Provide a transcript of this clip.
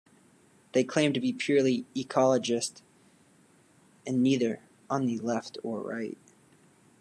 They claim to be purely ecologist, and neither on the left or right.